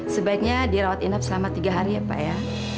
sebaiknya dirawat inap selama tiga hari ya pak ya